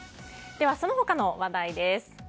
その他の話題です。